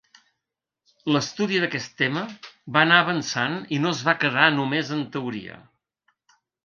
L'estudi d'aquest tema va anar avançant i no es va quedar només en teoria.